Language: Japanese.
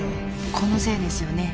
このせいですよね？